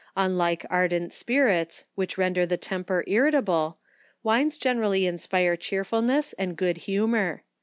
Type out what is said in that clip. Unlike ardent spirits, which render the temper irritable, wines generally inspire cheerfulness and good humour.